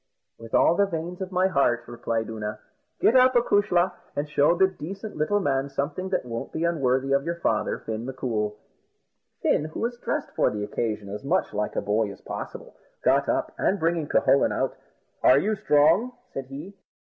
"With all the veins of my heart," replied Oonagh; "get up, acushla, and show this decent little man something that won't be unworthy of your father, Fin M'Coul." Fin, who was dressed for the occasion as much like a boy as possible, got up, and bringing Cucullin out, "Are you strong?" said he.